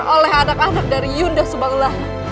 oleh anak anak dari yunda subang lama